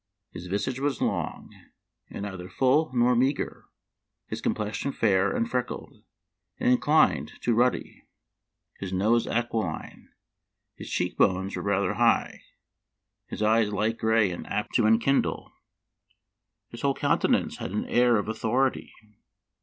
His visage was long, and neither full nor meager ; his complexion fair and freckled, and inclined to ruddy ; his nose aquiline ; his cheek bones were rather high, his eyes light gray and apt to en kindle ; his whole countenance had an air of authority.